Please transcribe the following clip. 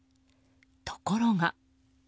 ところが。